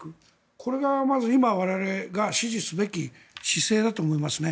これが今、我々が支持すべき姿勢だと思います。